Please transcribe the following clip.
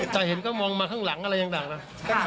แต่เห็นก็มองมาข้างหลังอะไรต่างนะ